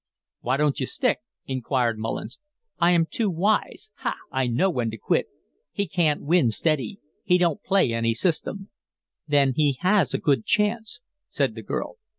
"Why don't you stick?" inquired Mullins. "I am too wise. Ha! I know when to quit. He can't win steady he don't play any system." "Then he has a good chance," said the girl.